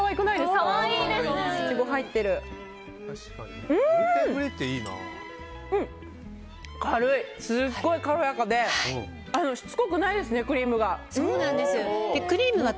すごい軽やかでしつこくないですね、クリームが。